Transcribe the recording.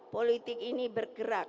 politik ini bergerak